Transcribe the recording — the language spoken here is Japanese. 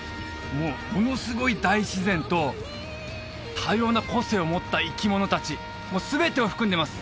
もうものすごい大自然と多様な個性を持った生き物達もう全てを含んでます